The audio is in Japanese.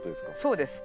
そうです。